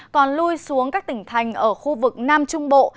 còn lui xuống các tỉnh thành ở khu vực nam trung bộ